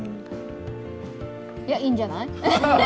いや、いいんじゃない？